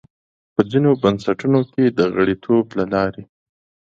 په ځینو بنسټونو کې د غړیتوب له لارې.